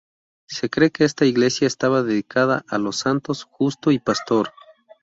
Se cree que esta iglesia estaba dedicada a los santos Justo y Pastor.